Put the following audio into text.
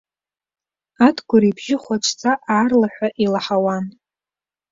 Адгәыр ибжьы хәаҽӡа, аарлаҳәа илаҳауан.